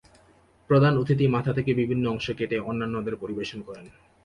প্রধান অতিথি মাথা থেকে বিভিন্ন অংশ কেটে অন্যান্যদের পরিবেশন করেন।